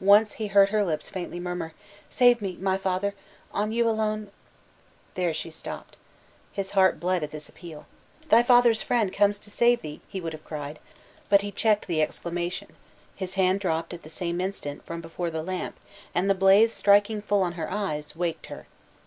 Once he heard her lips faintly murmur, "Save me, my father! on you alone " There she stopped. His heart bled at this appeal. "Thy father's friend comes to save thee," he would have cried, but he checked the exclamation his hand dropped at the same instant from before the lamp, and the blaze striking full on her eyes, waked her.